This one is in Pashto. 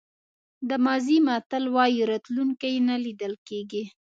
د مازی متل وایي راتلونکی نه لیدل کېږي.